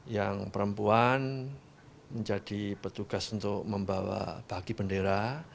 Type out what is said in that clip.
yang perempuan menjadi petugas untuk membawa bagi bendera